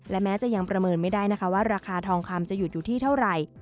และแม้จะยังประเมินไม่ได้นะคะว่าราคาทองคำจะหยุดอยู่ที่เท่าไหร่